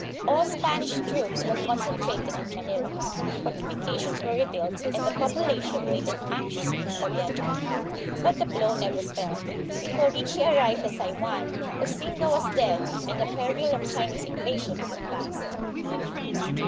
All Spanish troops were concentrated in Manila, fortifications were rebuilt, and the population waited anxiously for the attack. But the blow never fell. THE DUTCH AND MORO WARS. 1600 1663. 211 Before Ricci arrived at Tai wan, Koxinga was dead, and the peril of Chinese invasion had passed.